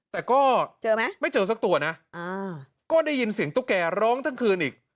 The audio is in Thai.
แต่ก็เจอไหมไม่เจอสักตัวนะก็ได้ยินเสียงตุ๊กแกร้องทั้งคืนอีก